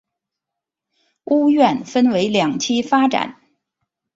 屋苑分为两期发展。